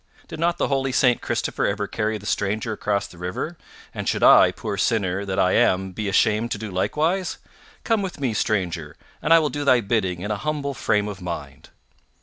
"Did not the holy Saint Christopher ever carry the stranger across the river? And should I, poor sinner that I am, be ashamed to do likewise? Come with me, stranger, and I will do thy bidding in an humble frame of mind."